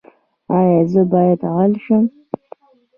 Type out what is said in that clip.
ایا زه باید غل شم؟